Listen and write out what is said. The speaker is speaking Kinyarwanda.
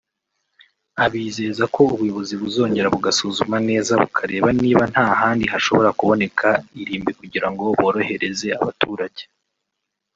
abizeza ko ubuyobozi buzongera bugasuzuma neza bukareba niba nta handi hashobora kuboneka irimbi kugira ngo borohereza abaturage